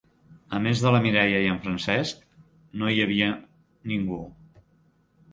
A més de la Mireia i en Francesc, no hi havia ningú.